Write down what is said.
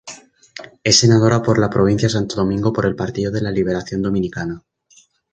Es senadora por la provincia Santo Domingo por el Partido de la Liberación Dominicana.